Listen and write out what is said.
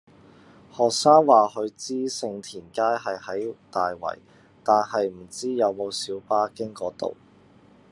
學生話佢知盛田街係喺大圍，但係唔知有冇小巴經嗰度